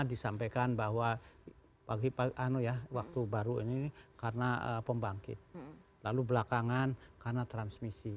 disampaikan bahwa pagi pagi waktu baru ini karena pembangkit lalu belakangan karena transmisi